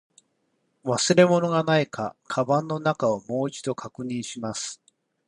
忘れ物がないか、カバンの中をもう一度確認します。